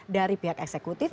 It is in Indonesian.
dari pihak eksekutif